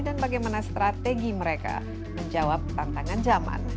dan bagaimana strategi mereka menjawab tantangan zaman